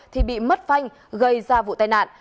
thì bị mất phanh gây ra vụ tai nạn